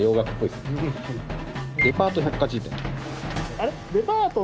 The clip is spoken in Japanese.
あれ？